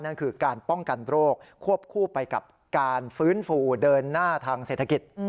นั่นคือการป้องกันโรคควบคู่ไปกับการฟื้นฟูเดินหน้าทางเศรษฐกิจ